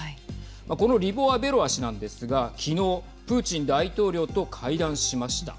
このリボワベロワ氏なんですが昨日プーチン大統領と会談しました。